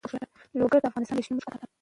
لوگر د افغانستان د شنو سیمو ښکلا ده.